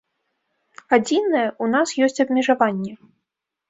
Адзінае, у нас ёсць абмежаванне.